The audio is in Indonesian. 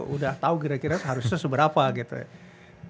udah tahu kira kira harusnya seberapa gitu ya